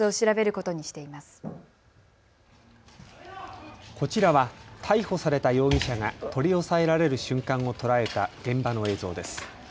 こちらは逮捕された容疑者が取り押さえられる瞬間を捉えた現場の映像です。